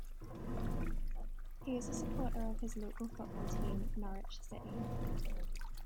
He is a supporter of his local football team Norwich City.